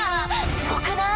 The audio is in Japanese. すごくない？